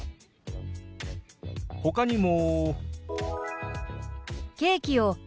ほかにも。